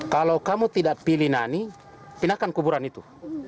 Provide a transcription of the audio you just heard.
kalau kamu tidak pilih nani pindahkan kuburan itu